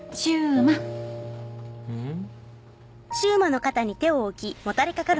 うん？